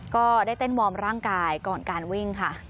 ก็ได้เต้นวอร์มร่างกายก่อนการวิ่งค่ะ